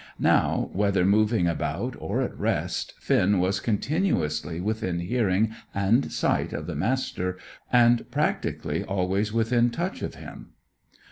Now, whether moving about or at rest, Finn was continuously within hearing and sight of the Master, and practically always within touch of him.